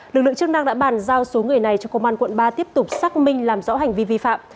lực lượng chức năng đã bàn giao số người này cho công an quận ba tiếp tục xác minh làm rõ hành vi vi phạm